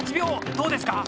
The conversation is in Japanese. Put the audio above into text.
どうですか？